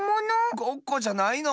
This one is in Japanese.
ごっこじゃないの？